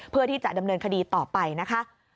เพื่อที่จะดำเนินคดีต่อไปนะคะ